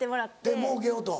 でもうけようと。